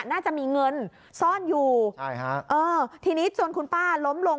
น่าจะมีเงินซ่อนอยู่ใช่ฮะเออทีนี้จนคุณป้าล้มลง